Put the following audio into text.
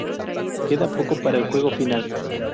Queda poco para el juego final.